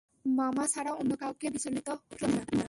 মামা ছাড়া অন্য কাউকে বিচলিত হতে দেখলাম না।